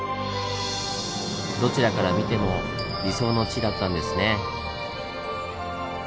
どちらから見ても「理想の地」だったんですね。